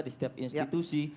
di setiap institusi